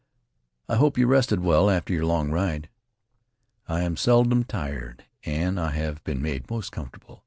"I hope you rested well after your long ride." "I am seldom tired, and I have been made most comfortable.